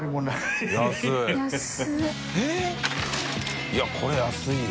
┐叩いやこれ安いよ。